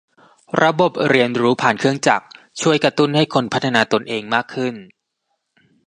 ระบบเรียนรู้ผ่านเครื่องจักรช่วยกระตุ้นให้คนพัฒนาตนเองมากขึ้น